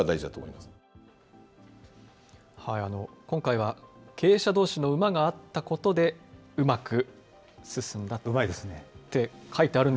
今回は経営者どうしのうまが合ったことで、うまく進んだって。